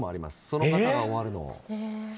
その方が終わるのを。